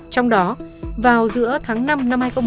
trong đó vào giữa tháng năm năm hai nghìn một mươi tám